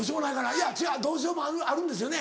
いや違うどうしようもあるんですよね？